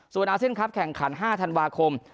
ส่วนอาเซียนครับแข่งขัน๕ธันวาคม